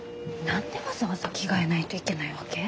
何でわざわざ着替えないといけないわけ？